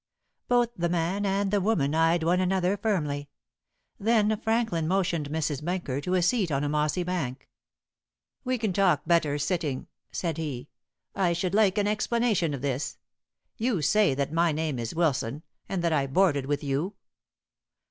Both the man and the woman eyed one another firmly. Then Franklin motioned Mrs. Benker to a seat on a mossy bank. "We can talk better sitting," said he. "I should like an explanation of this. You say that my name is Wilson, and that I boarded with you."